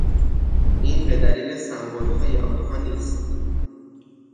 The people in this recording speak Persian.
این به دلیل سمبلهای آنها نیست